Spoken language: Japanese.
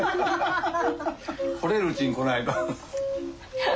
来れるうちに来ないと。